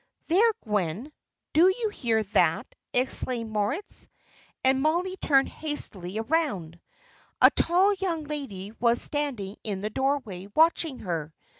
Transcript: "There, Gwen, do you hear that?" exclaimed Moritz. And Mollie turned hastily round. A tall young lady was standing in the doorway watching her.